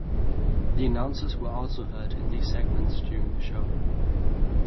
The announcers were also heard in these segments during the show.